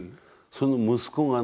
その息子がね